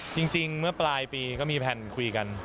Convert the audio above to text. จริงเมื่อปลายปีก็มีแผ่นคุยกัน